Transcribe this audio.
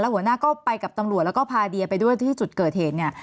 หัวหน้าก็ไปกับตำรวจแล้วก็พาเดียไปด้วยที่จุดเกิดเหตุเนี่ย